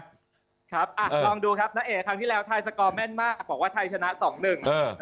ครับลองดูครับน้าเอครั้งที่แล้วไทยสกอร์แม่นมากบอกว่าไทยชนะ๒๑